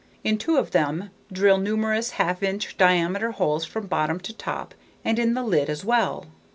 In two of them drill numerous half inch diameter holes from bottom to top and in the lid as well.